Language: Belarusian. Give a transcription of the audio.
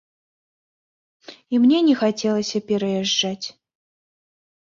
І мне не хацелася пераязджаць.